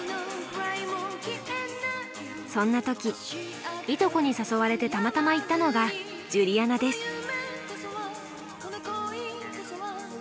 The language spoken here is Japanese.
そんな時いとこに誘われてたまたま行ったのがジュリアナです。